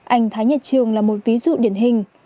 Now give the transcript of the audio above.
anh thái nhật trường là một ví dụ điển hình